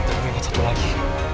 aku ingat satu lagi